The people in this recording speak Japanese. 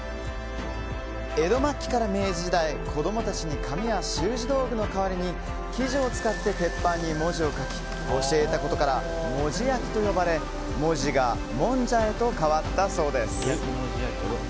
江戸末期から明治時代子供たちに紙や習字道具の代わりに生地を使って鉄板に文字を書き教えたことから文字焼きと呼ばれ「文字」が「もんじゃ」へと変わったそうです。